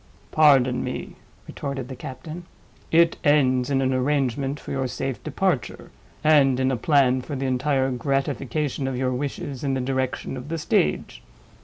"Pardon me," retorted the captain. "It ends in an arrangement for your safe departure, and in a plan for the entire gratification of your wishes in the direction of the stage.